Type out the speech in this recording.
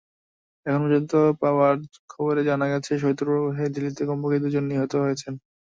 এখন পর্যন্ত পাওয়া খবরে জানা গেছে, শৈত্যপ্রবাহে দিল্লিতে কমপক্ষে দুজন নিহত হয়েছেন।